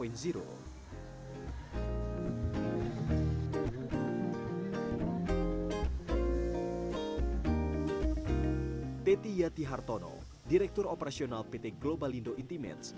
teti yati hartono direktur operasional pt global indo intimates